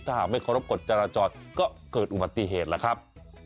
ถ้าหากไม่เคารพกฎจราจรก็เกิดอุบัติเหตุแล้วครับ